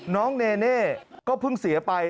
น้องเนเน่ก็เพิ่งเสียไป